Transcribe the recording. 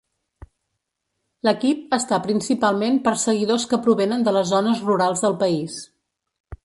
L'equip està principalment per seguidors que provenen de les zones rurals del país.